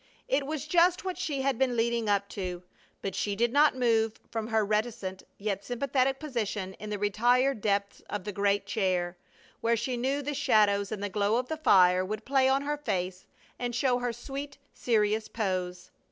It was just what she had been leading up to, but she did not move from her reticent yet sympathetic position in the retired depths of the great chair, where she knew the shadows and the glow of the fire would play on her face and show her sweet, serious pose.